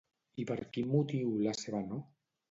I per quin motiu la seva no?